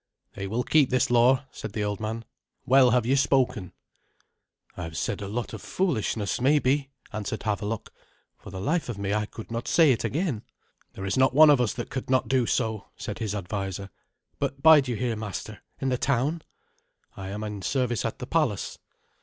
"They will keep this law," said the old man. "Well have you spoken." "I have said a lot of foolishness, maybe," answered Havelok. "For the life of me I could not say it again." "There is not one of us that could not do so," said his adviser. "But bide you here, master, in the town?" "I am in service at the palace."